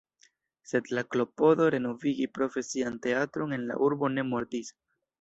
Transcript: Sed la klopodo renovigi profesian teatron en la urbo ne mortis.